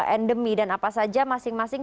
endemi dan apa saja masing masing